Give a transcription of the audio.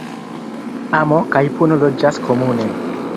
Amo kaj puno loĝas komune.